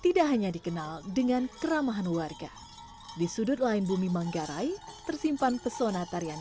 tidak hanya dikenal dengan keramahan warga di sudut lain bumi manggarai tersimpan pesona tarian